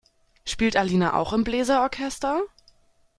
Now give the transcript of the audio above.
Spielt Alina auch im Bläser-Orchester?